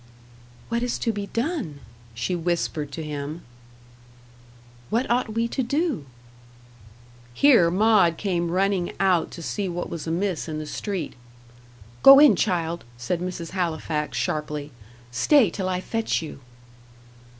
"What is to be done?" she whispered to him. "What ought we to do?" Here Maud came running out to see what was amiss in the street. "Go in, child," said Mrs. Halifax, sharply. "Stay till I fetch you."